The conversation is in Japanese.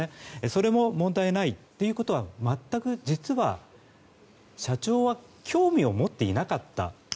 それも問題ないということは全く実は社長は興味を持っていなかった。